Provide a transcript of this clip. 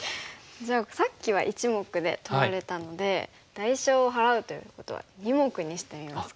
じゃあさっきは１目で取られたので代償を払うということは２目にしてみますか。